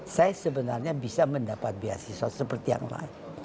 saya sebenarnya bisa mendapat biaya siswa seperti yang lain